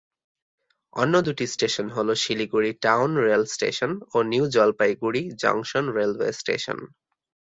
অন্য দুটি স্টেশন হল শিলিগুড়ি টাউন রেল স্টেশন ও new Jalpaiguri junction railway station.